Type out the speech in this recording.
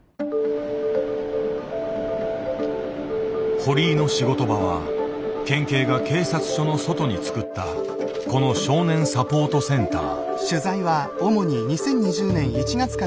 堀井の仕事場は県警が警察署の外につくったこの「少年サポートセンター」。